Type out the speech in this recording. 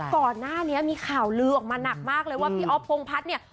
ก่อนหน้านี้มีข่าวลือออกมาหนักมากเลยว่าพี่อ๊อฟพงพัฒน์เนี่ย